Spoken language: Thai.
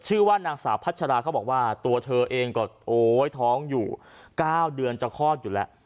ชื่อว่านางสาวพัชราเขาบอกว่าตัวเธอเองก็โอ๊ยท้องอยู่๙เดือนจะคลอดอยู่แล้ว